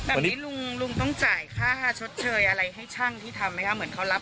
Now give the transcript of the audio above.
แบบนี้ลุงต้องจ่ายค่า๕ชดเชยอะไรให้ช่างที่ทำไหมครับ